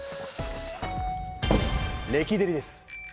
レキデリです。